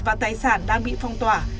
và tài sản đang bị phong tỏa